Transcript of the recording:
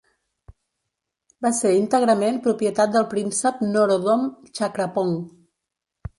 Va ser íntegrament propietat del príncep Norodom Chakrapong.